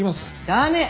駄目！